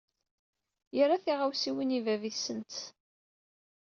Yerra tiɣawsiwin i bab-itsent.